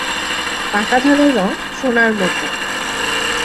পাকা ধানের রং সােনার মতাে।